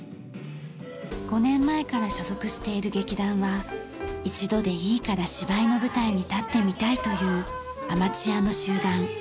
５年前から所属している劇団は一度でいいから芝居の舞台に立ってみたいというアマチュアの集団。